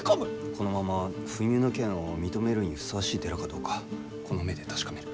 このまま不入の権を認めるにふさわしい寺かどうかこの目で確かめる。